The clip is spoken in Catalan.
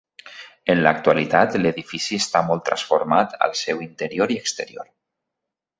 En l'actualitat l'edifici està molt transformat al seu interior i exterior.